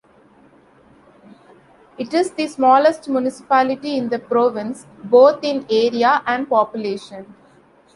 It is the smallest municipality in the province, both in area and population.